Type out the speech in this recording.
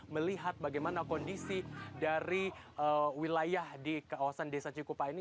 melihat bagaimana kondisi dari wilayah di kawasan desa cikupa ini